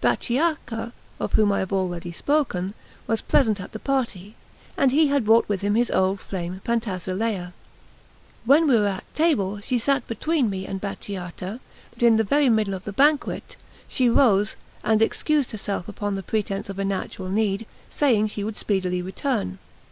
Bachiacca, of whom I have already spoken, was present at the party; and he had brought with him his old flame, Pantasilea. When we were at table, she sat between me and Bachiacca; but in the very middle of the banquet she rose, and excused herself upon the pretext of a natural need, saying she would speedily return.